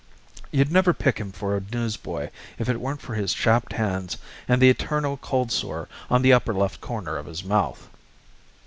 You'd never pick him for a newsboy if it weren't for his chapped hands and the eternal cold sore on the upper left corner of his mouth.